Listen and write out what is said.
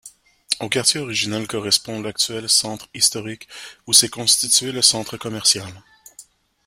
Aux quartiers originels correspond l'actuel centre historique où s'est constitué le centre commercial.